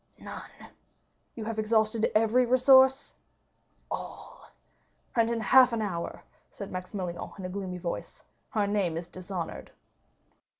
"None." "You have exhausted every resource?" "All." "And in half an hour," said Maximilian in a gloomy voice, "our name is dishonored!"